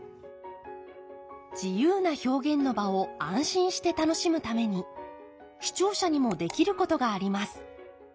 自由な表現の場を安心して楽しむために視聴者にもできることがあります。